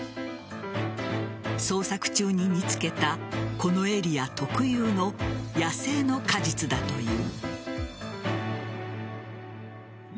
捜索中に見つけたこのエリア特有の野生の果実だという。